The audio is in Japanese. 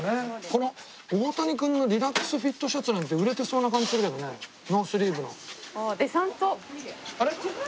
この大谷君のリラックスフィットシャツなんて売れてそうな感じするけどねノースリーブの。